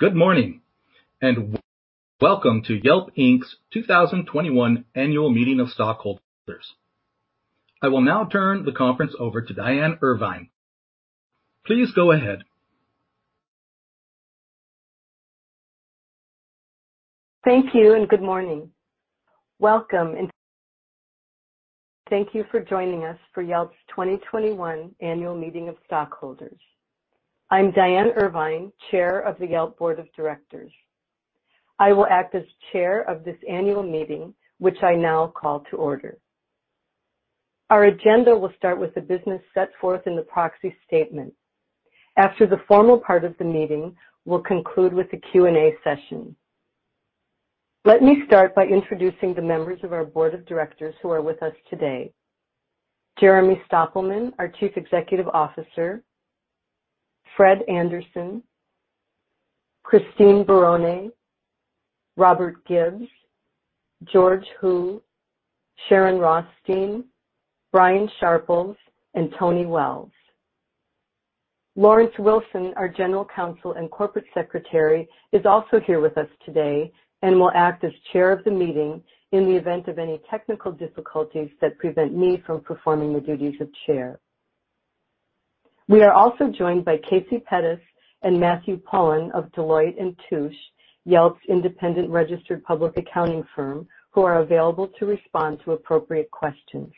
Good morning, and welcome to Yelp Inc's 2021 Annual Meeting of Stockholders. I will now turn the conference over to Diane Irvine. Please go ahead. Thank you, and good morning. Welcome, and thank you for joining us for Yelp's 2021 Annual Meeting of Stockholders. I'm Diane Irvine, Chair of the Yelp Board of Directors. I will act as Chair of this annual meeting, which I now call to order. Our agenda will start with the business set forth in the proxy statement. After the formal part of the meeting, we'll conclude with a Q&A session. Let me start by introducing the members of our board of directors who are with us today. Jeremy Stoppelman, our Chief Executive Officer, Fred Anderson, Christine Barone, Robert Gibbs, George Hu, Sharon Rothstein, Brian Sharples, and Tony Wells. Laurence Wilson, our General Counsel and Corporate Secretary, is also here with us today and will act as Chair of the meeting in the event of any technical difficulties that prevent me from performing the duties of Chair. We are also joined by Casey Pettis and Matthew Palen of Deloitte & Touche, Yelp's independent registered public accounting firm, who are available to respond to appropriate questions.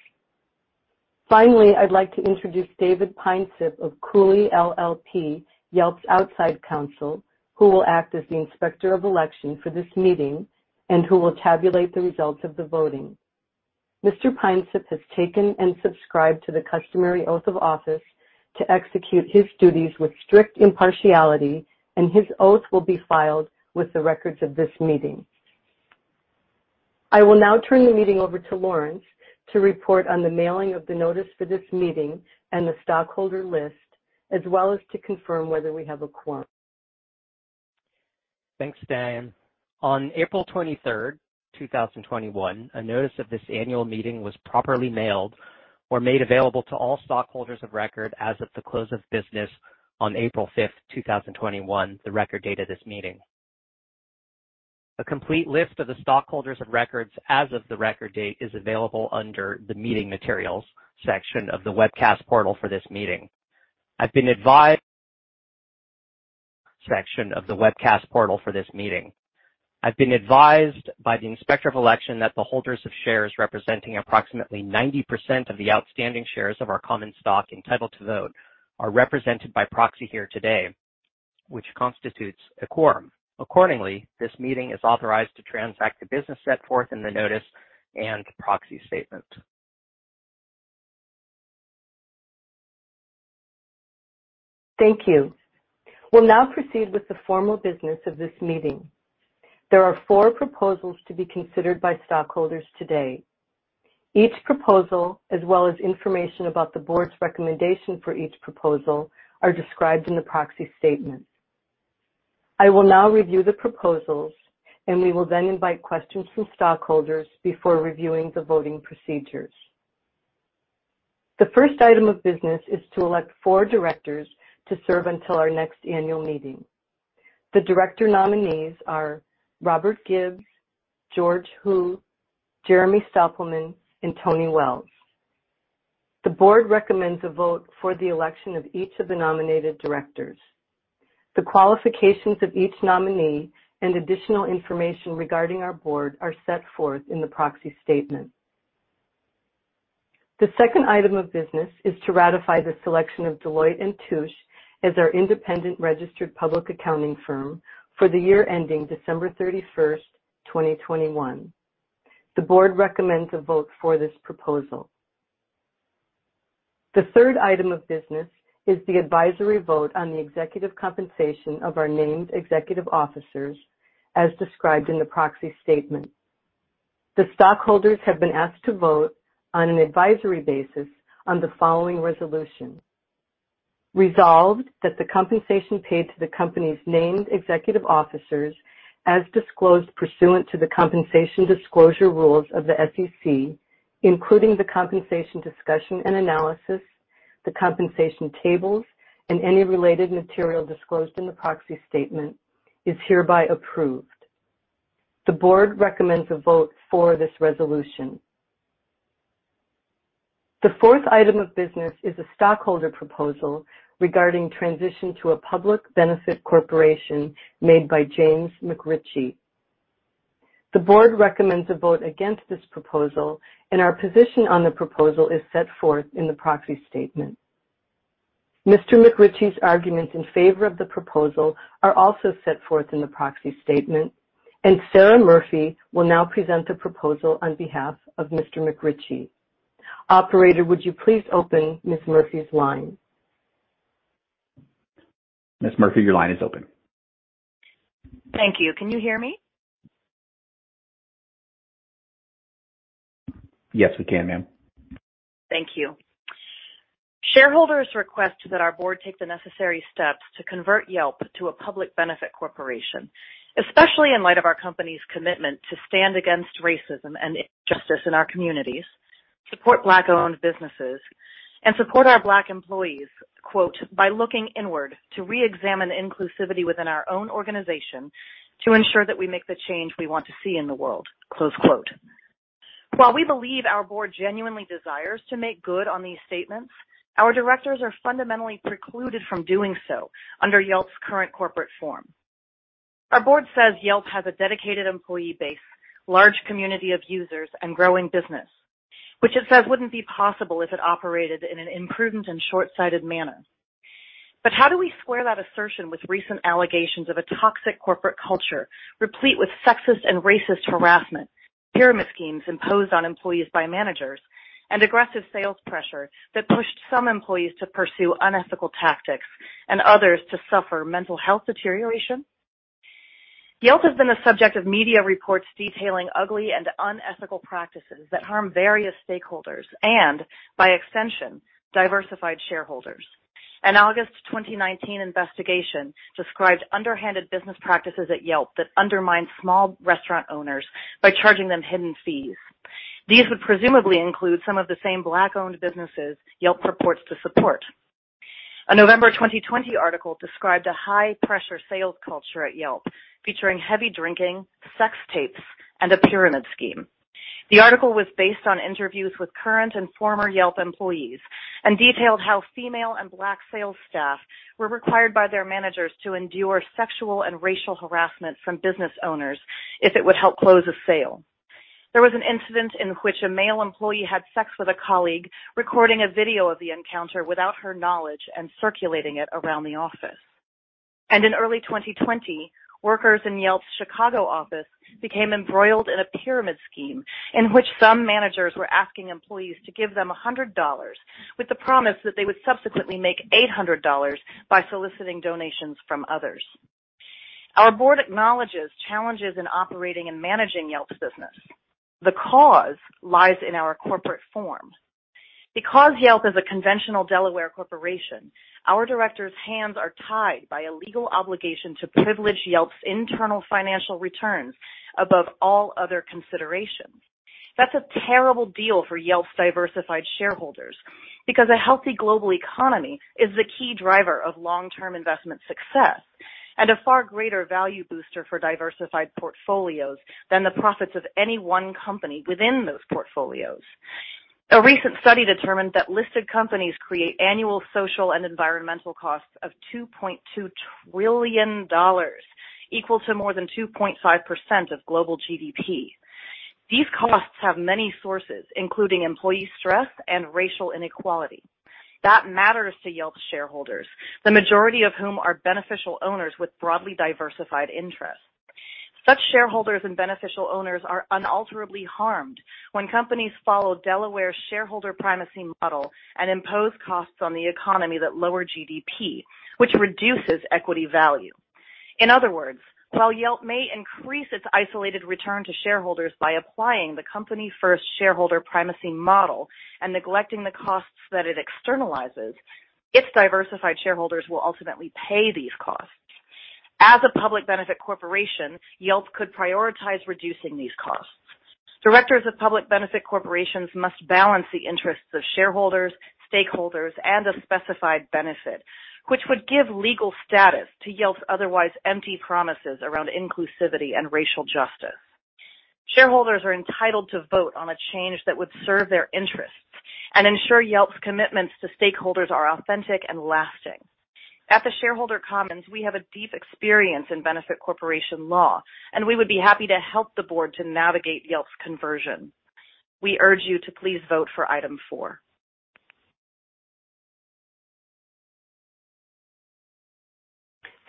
Finally, I'd like to introduce David Peinsipp of Cooley LLP, Yelp's outside counsel, who will act as the Inspector of Election for this meeting and who will tabulate the results of the voting. Mr. Peinsipp has taken and subscribed to the customary oath of office to execute his duties with strict impartiality, and his oath will be filed with the records of this meeting. I will now turn the meeting over to Laurence to report on the mailing of the notice for this meeting and the stockholder list, as well as to confirm whether we have a quorum. Thanks, Diane. On April 23rd, 2021, a notice of this annual meeting was properly mailed or made available to all stockholders of record as of the close of business on April 5th, 2021, the record date of this meeting. A complete list of the stockholders of record as of the record date is available under the Meeting Materials section of the webcast portal for this meeting. I've been advised [of the] inspection of the webcast portal for this meeting. I have been advised by the Inspector of Election that the holders of shares representing approximately 90% of the outstanding shares of our common stock entitled to vote are represented by proxy here today, which constitutes a quorum. Accordingly, this meeting is authorized to transact the business set forth in the notice and proxy statement. Thank you. We'll now proceed with the formal business of this meeting. There are four proposals to be considered by stockholders today. Each proposal, as well as information about the board's recommendation for each proposal, are described in the proxy statement. I will now review the proposals, and we will then invite questions from stockholders before reviewing the voting procedures. The first item of business is to elect four directors to serve until our next annual meeting. The director nominees are Robert Gibbs, George Hu, Jeremy Stoppelman, and Tony Wells. The board recommends a vote for the election of each of the nominated directors. The qualifications of each nominee and additional information regarding our board are set forth in the proxy statement. The second item of business is to ratify the selection of Deloitte & Touche as our independent registered public accounting firm for the year ending December 31st, 2021. The board recommends a vote for this proposal. The third item of business is the advisory vote on the executive compensation of our named executive officers, as described in the proxy statement. The stockholders have been asked to vote on an advisory basis on the following resolution. Resolved that the compensation paid to the company's named executive officers, as disclosed pursuant to the compensation disclosure rules of the SEC, including the compensation discussion and analysis, the compensation tables, and any related material disclosed in the proxy statement, is hereby approved. The board recommends a vote for this resolution. The fourth item of business is a stockholder proposal regarding transition to a public benefit corporation made by James McRitchie. The board recommends a vote against this proposal, and our position on the proposal is set forth in the proxy statement. Mr. McRitchie's arguments in favor of the proposal are also set forth in the proxy statement, and Sarah Murphy will now present the proposal on behalf of Mr. McRitchie. Operator, would you please open Ms. Murphy's line? Ms. Murphy, your line is open. Thank you. Can you hear me? Yes, we can, ma'am. Thank you. Shareholders request that our board take the necessary steps to convert Yelp to a public benefit corporation, especially in light of our company's commitment to stand against racism and injustice in our communities. Support Black-owned businesses and support our Black employees, "By looking inward to reexamine inclusivity within our own organization to ensure that we make the change we want to see in the world". While we believe our board genuinely desires to make good on these statements, our directors are fundamentally precluded from doing so under Yelp's current corporate form. Our board says Yelp has a dedicated employee base, large community of users, and growing business, which it says wouldn't be possible if it operated in an imprudent and shortsighted manner, but how do we square that assertion with recent allegations of a toxic corporate culture replete with sexist and racist harassment, pyramid schemes imposed on employees by managers, and aggressive sales pressure that pushed some employees to pursue unethical tactics and others to suffer mental health deterioration? Yelp has been the subject of media reports detailing ugly and unethical practices that harm various stakeholders and, by extension, diversified shareholders. An August 2019 investigation described underhanded business practices at Yelp that undermined small restaurant owners by charging them hidden fees. These would presumably include some of the same Black-owned businesses Yelp purports to support. A November 2020 article described a high-pressure sales culture at Yelp, featuring heavy drinking, sex tapes, and a pyramid scheme. The article was based on interviews with current and former Yelp employees and detailed how female and Black sales staff were required by their managers to endure sexual and racial harassment from business owners if it would help close a sale. There was an incident in which a male employee had sex with a colleague, recording a video of the encounter without her knowledge and circulating it around the office. In early 2020, workers in Yelp's Chicago office became embroiled in a pyramid scheme in which some managers were asking employees to give them $100 with the promise that they would subsequently make $800 by soliciting donations from others. Our board acknowledges challenges in operating and managing Yelp's business. The cause lies in our corporate form. Because Yelp is a conventional Delaware corporation, our directors' hands are tied by a legal obligation to privilege Yelp's internal financial returns above all other considerations. That's a terrible deal for Yelp's diversified shareholders because a healthy global economy is the key driver of long-term investment success and a far greater value booster for diversified portfolios than the profits of any one company within those portfolios. A recent study determined that listed companies create annual social and environmental costs of $2.2 trillion, equal to more than 2.5% of global GDP. These costs have many sources, including employee stress and racial inequality. That matters to Yelp shareholders, the majority of whom are beneficial owners with broadly diversified interests. Such shareholders and beneficial owners are unalterably harmed when companies follow Delaware shareholder primacy model and impose costs on the economy that lower GDP, which reduces equity value. In other words, while Yelp may increase its isolated return to shareholders by applying the company first shareholder primacy model and neglecting the costs that it externalizes, its diversified shareholders will ultimately pay these costs. As a public benefit corporation, Yelp could prioritize reducing these costs. Directors of public benefit corporations must balance the interests of shareholders, stakeholders, and a specified benefit, which would give legal status to Yelp's otherwise empty promises around inclusivity and racial justice. Shareholders are entitled to vote on a change that would serve their interests and ensure Yelp's commitments to stakeholders are authentic and lasting. At The Shareholder Commons, we have a deep experience in benefit corporation law, and we would be happy to help the board to navigate Yelp's conversion. We urge you to please vote for item four.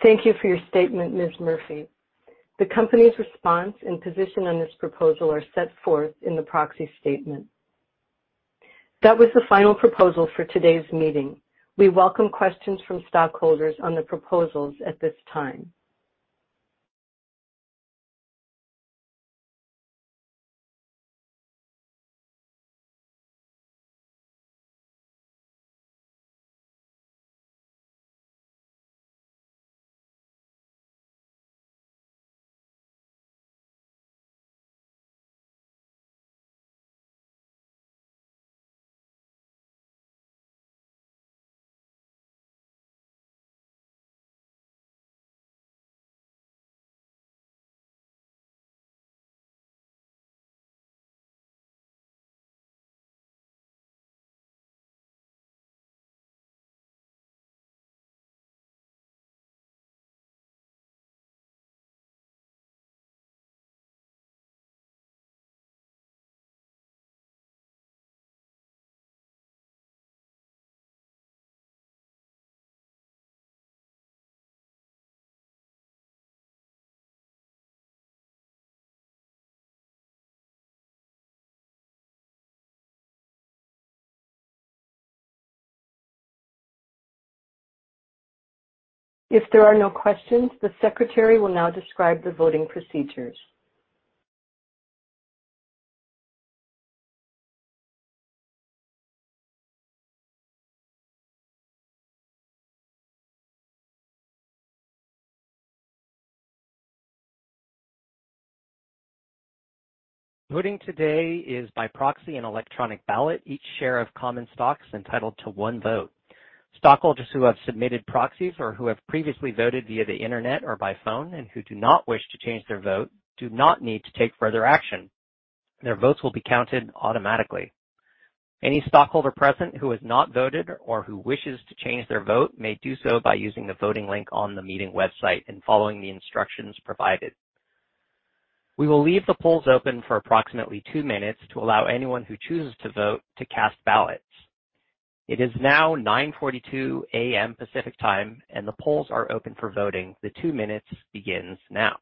Thank you for your statement, Ms. Murphy. The company's response and position on this proposal are set forth in the proxy statement. That was the final proposal for today's meeting. We welcome questions from stockholders on the proposals at this time. If there are no questions, the secretary will now describe the voting procedures. Voting today is by proxy and electronic ballot. Each share of common stock is entitled to one vote. Stockholders who have submitted proxies or who have previously voted via the internet or by phone and who do not wish to change their vote do not need to take further action. Their votes will be counted automatically. Any stockholder present who has not voted or who wishes to change their vote may do so by using the voting link on the meeting website and following the instructions provided. We will leave the polls open for approximately two minutes to allow anyone who chooses to vote to cast ballots. It is now 9:42 A.M. Pacific Time, and the polls are open for voting. The two minutes begins now.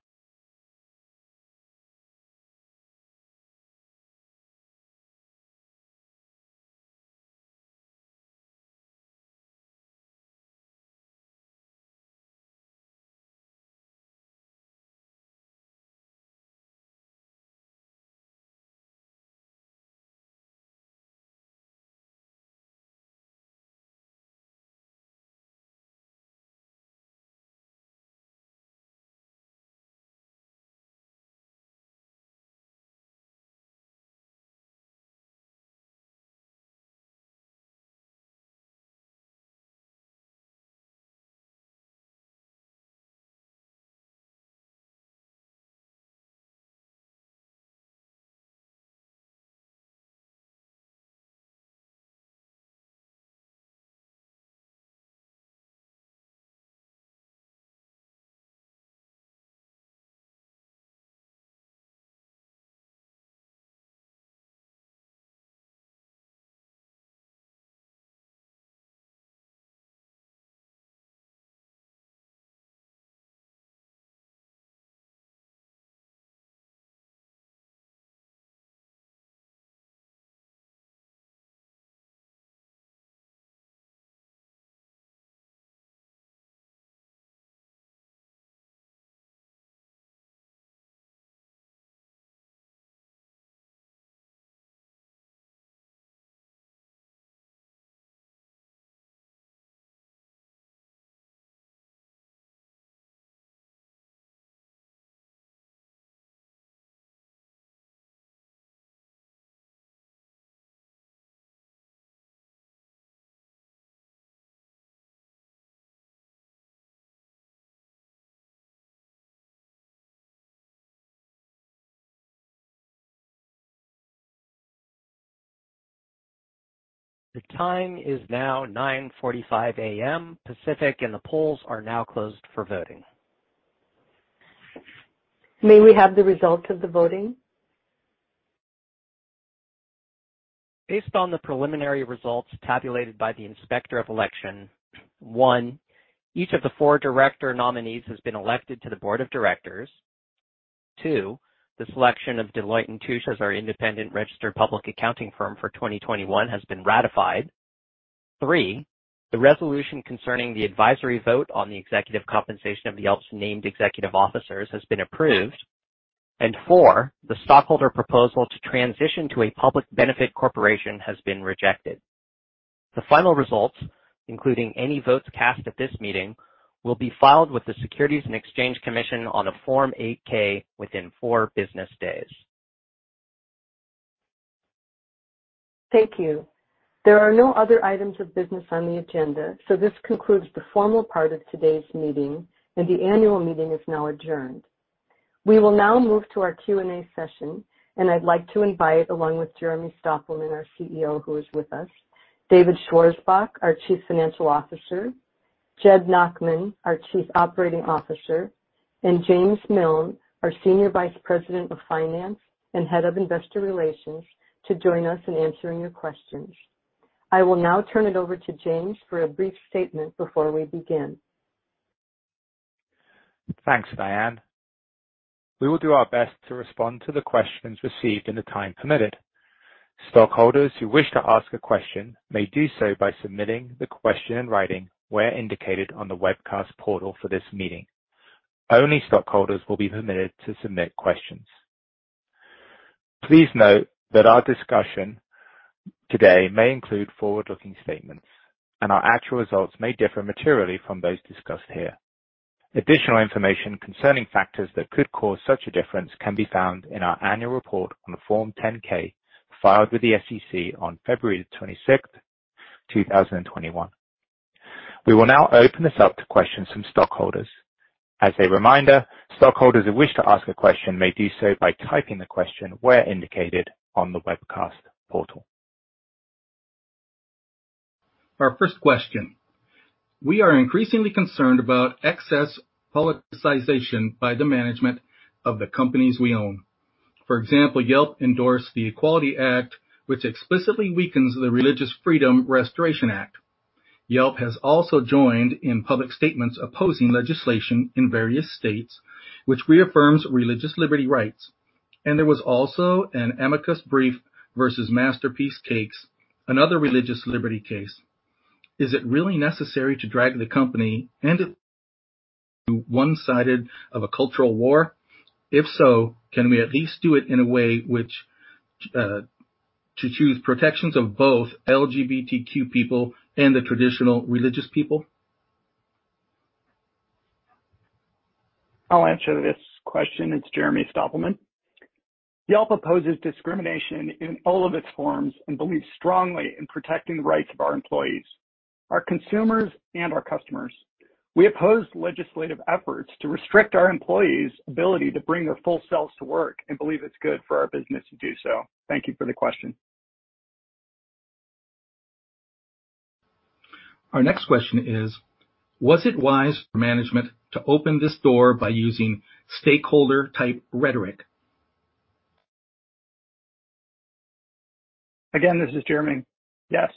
The time is now 9:45 A.M. Pacific, and the polls are now closed for voting. May we have the results of the voting? Based on the preliminary results tabulated by the Inspector of Election, one, each of the four director nominees has been elected to the board of directors. Two, the selection of Deloitte & Touche as our independent registered public accounting firm for 2021 has been ratified. Three, the resolution concerning the advisory vote on the executive compensation of Yelp's named executive officers has been approved. Four, the stockholder proposal to transition to a public benefit corporation has been rejected. The final results, including any votes cast at this meeting, will be filed with the Securities and Exchange Commission on a Form 8-K within four business days. Thank you. There are no other items of business on the agenda. This concludes the formal part of today's meeting and the annual meeting is now adjourned. We will now move to our Q&A session. I'd like to invite, along with Jeremy Stoppelman, our CEO, who is with us, David Schwarzbach, our Chief Financial Officer, Jed Nachman, our Chief Operating Officer, and James Miln, our Senior Vice President of Finance and Head of Investor Relations, to join us in answering your questions. I will now turn it over to James for a brief statement before we begin. Thanks, Diane. We will do our best to respond to the questions received in the time permitted. Stockholders who wish to ask a question may do so by submitting the question in writing where indicated on the webcast portal for this meeting. Only stockholders will be permitted to submit questions. Please note that our discussion today may include forward-looking statements, and our actual results may differ materially from those discussed here. Additional information concerning factors that could cause such a difference can be found in our annual report on Form 10-K, filed with the SEC on February 26th, 2021. We will now open this up to questions from stockholders. As a reminder, stockholders who wish to ask a question may do so by typing the question where indicated on the webcast portal. Our first question. We are increasingly concerned about excess politicization by the management of the companies we own. For example, Yelp endorsed the Equality Act, which explicitly weakens the Religious Freedom Restoration Act. Yelp has also joined in public statements opposing legislation in various states, which reaffirms religious liberty rights, and there was also an amicus brief versus Masterpiece Cakeshop, another religious liberty case. Is it really necessary to drag the company and its employees into one-sided of a cultural war? If so, can we at least do it in a way which, to choose protections of both LGBTQ people and the traditional religious people? I'll answer this question. It's Jeremy Stoppelman. Yelp opposes discrimination in all of its forms and believes strongly in protecting the rights of our employees, our consumers, and our customers. We oppose legislative efforts to restrict our employees' ability to bring their full selves to work and believe it's good for our business to do so. Thank you for the question. Our next question is: Was it wise for management to open this door by using stakeholder-type rhetoric? Again, this is Jeremy. Yes.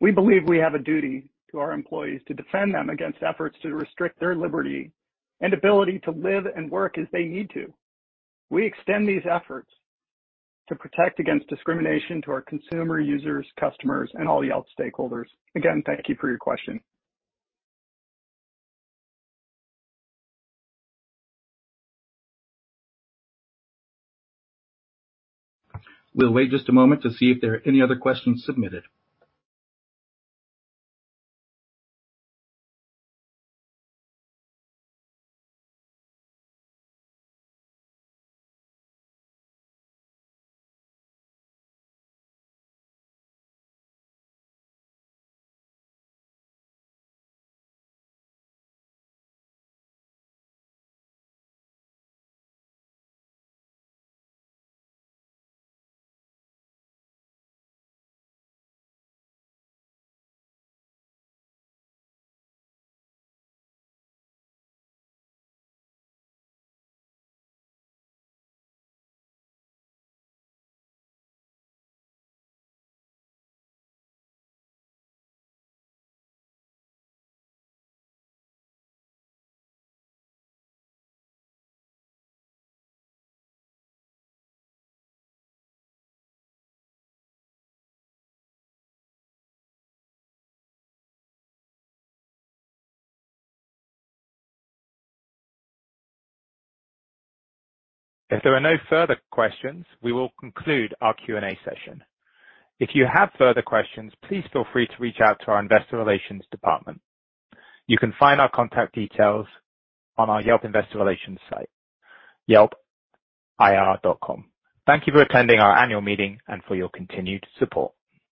We believe we have a duty to our employees to defend them against efforts to restrict their liberty and ability to live and work as they need to. We extend these efforts to protect against discrimination to our consumer users, customers, and all Yelp stakeholders. Again, thank you for your question. We'll wait just a moment to see if there are any other questions submitted. If there are no further questions, we will conclude our Q&A session. If you have further questions, please feel free to reach out to our investor relations department. You can find our contact details on our Yelp investor relations site, yelp-ir.com. Thank you for attending our annual meeting and for your continued support.